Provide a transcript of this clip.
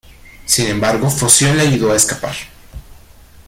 Sin embargo, Foción le ayudó a escapar.